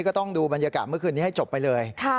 ก็ต้องดูบรรยากาศเมื่อคืนนี้ให้จบไปเลย